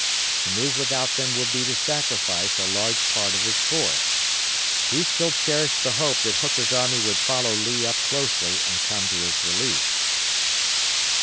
To move without them would be to sacrifice a large part of his force. He still cherished the hope that Hooker's army would follow Lee up closely and come to his relief.